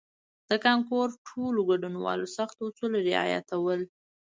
د کانکور ټولو ګډونوالو سخت اصول رعایتول.